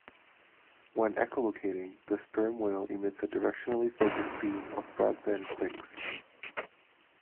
When echolocating, the sperm whale emits a directionally focused beam of broadband clicks.